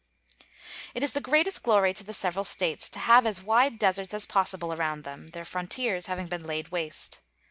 It is the greatest glory to the several States to have as wide deserts as possible around them, their frontiers having been laid waste.